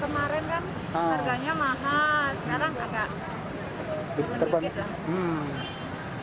kemarin kan harganya mahal sekarang agak terbang